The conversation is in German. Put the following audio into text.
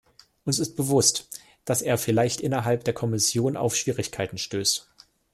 Uns ist bewusst, dass er vielleicht innerhalb der Kommission auf Schwierigkeiten stößt.